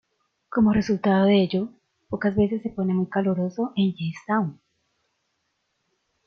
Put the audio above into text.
Como resultado de ello, pocas veces se pone muy caluroso en Jamestown.